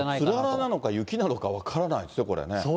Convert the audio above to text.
つららなのか、雪なのか分からないですね、これね。